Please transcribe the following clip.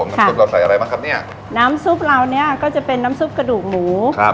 น้ำซุปเราใส่อะไรบ้างครับเนี้ยน้ำซุปเราเนี้ยก็จะเป็นน้ำซุปกระดูกหมูครับ